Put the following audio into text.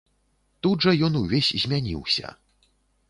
Тут жа ён увесь змяніўся.